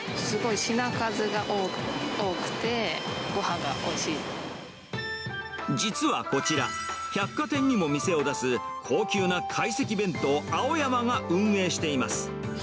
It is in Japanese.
すごい品数が多くて、ごはん実はこちら、百貨店にも店を出す高級な懐石弁当、青山が運営しています。